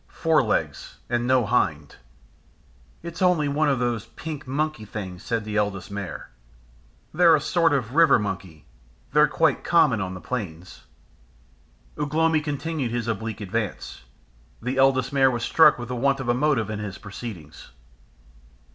"Fore legs and no hind." "It's only one of those pink monkey things," said the Eldest Mare. "They're a sort of river monkey. They're quite common on the plains." Ugh lomi continued his oblique advance. The Eldest Mare was struck with the want of motive in his proceedings.